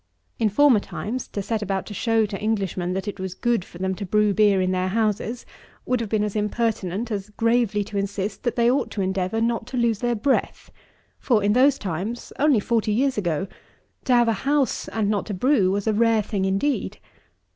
In former times, to set about to show to Englishmen that it was good for them to brew beer in their houses would have been as impertinent as gravely to insist, that they ought to endeavour not to lose their breath; for, in those times, (only forty years ago,) to have a house and not to brew was a rare thing indeed.